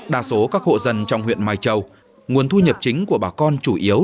đa số các hộ dân trong huyện mai châu nguồn thu nhập chính của bà con chủ yếu